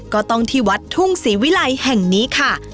ก็ต้องที่วัดทุ่งศรีวิลัยแห่งนี้ค่ะ